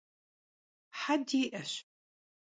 He di'eş.